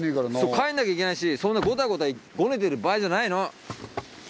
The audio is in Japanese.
帰んなきゃいけないしゴタゴタゴネてる場合じゃないの。